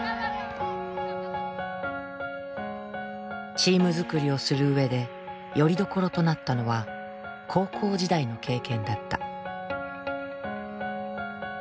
チームづくりをする上でよりどころとなったのは高校時代の経験だった。